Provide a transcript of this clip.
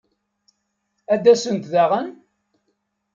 Ad d-asent daɣen?